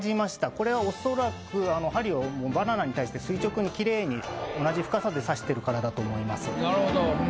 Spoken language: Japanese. これはおそらく針をバナナに対して垂直にきれいに同じ深さで刺してるからだと思います。